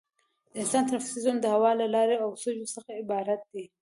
د انسان تنفسي سیستم د هوا له لارو او سږو څخه عبارت دی.